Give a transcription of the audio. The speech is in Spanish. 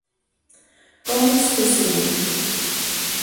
Comics de cine.